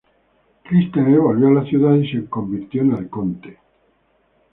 Clístenes volvió a la ciudad y se convirtió en Arconte.